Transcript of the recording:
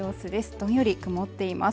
どんより曇っています。